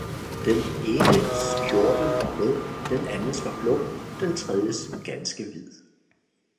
den enes kjortel var rød, den andens var blå, den tredjes ganske hvid.